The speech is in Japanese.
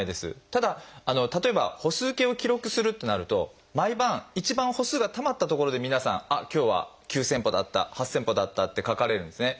ただ例えば歩数計を記録するってなると毎晩一番歩数がたまったところで皆さんあっ今日は９，０００歩だった８，０００歩だったって書かれるんですね。